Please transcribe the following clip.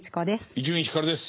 伊集院光です。